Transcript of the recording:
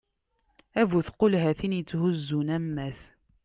d bu tqulhatin i yetthuzzun ammas